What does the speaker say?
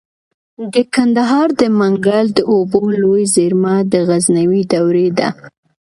د کندهار د منگل د اوبو لوی زیرمه د غزنوي دورې ده